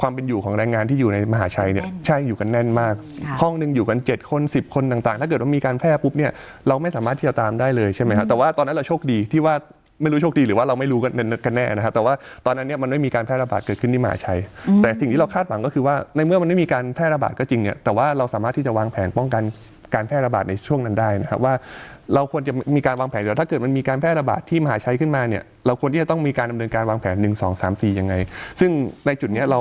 ว่าตอนนั้นเราโชคดีที่ว่าไม่รู้โชคดีหรือว่าเราไม่รู้กันแน่นะครับแต่ว่าตอนนั้นเนี้ยมันไม่มีการแพร่ระบาดเกิดขึ้นที่หาชัยแต่สิ่งที่เราคาดหวังก็คือว่าในเมื่อมันไม่มีการแพร่ระบาดก็จริงอ่ะแต่ว่าเราสามารถที่จะวางแผนป้องกันการแพร่ระบาดในช่วงนั้นได้นะครับว่าเราควรจะมีการวางแผนหร